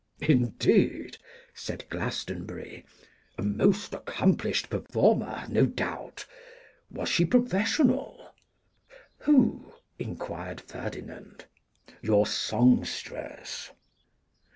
'Indeed!' said Glastonbury, 'a most accomplished performer, no doubt! Was she professional?' 'Who?' inquired Ferdinand. 'Your songstress.